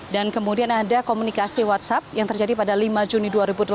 dan kemudian ada komunikasi whatsapp yang terjadi pada lima juni dua ribu delapan belas